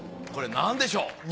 これ何でしょう？